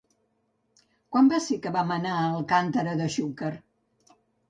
Quan va ser que vam anar a Alcàntera de Xúquer?